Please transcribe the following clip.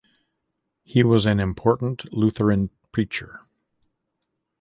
He was an important Lutheran preacher.